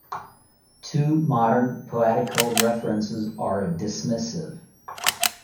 Two modern poetical references are dismissive.